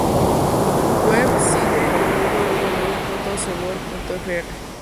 Web-site www.sobor.fr